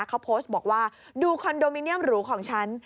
เขาโพสต์บอกว่าดูคอนโดมิเนียมหรูของฉัน